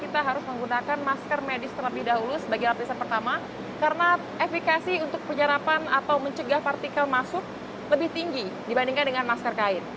kita harus menggunakan masker medis terlebih dahulu sebagai lapisan pertama karena efekasi untuk penyerapan atau mencegah partikel masuk lebih tinggi dibandingkan dengan masker kain